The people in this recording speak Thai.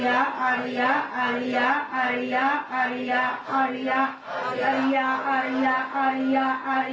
ตามภาพที่ท่านเห็นยกมือสองคร่าง